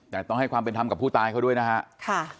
แต่ต้องให้ความเป็นธรรมกับผู้ตายเขาด้วยนะฮะ